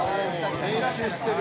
練習してる。